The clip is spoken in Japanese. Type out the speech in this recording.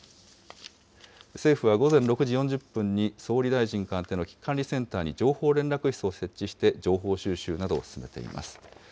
政府は午前６時４０分に、総理大臣官邸の危機管理センターに情報連絡室を設置して、情報収集などを進めています。